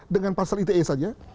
dengan pasal ite saja